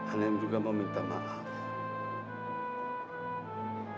aneh juga mau minta maaf